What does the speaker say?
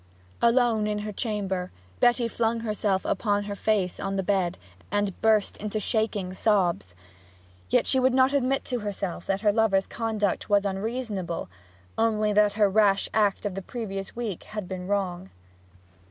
Alone in her chamber, Betty flung herself upon her face on the bed, and burst into shaking sobs. Yet she would not admit to herself that her lover's conduct was unreasonable; only that her rash act of the previous week had been wrong.